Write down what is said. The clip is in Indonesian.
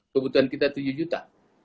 kebutuhan kita tujuh juta